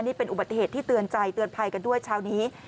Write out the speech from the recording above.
นี่เป็นอุบัติเหตุที่เตือนใจเตือนภัยกันด้วยเช้านี้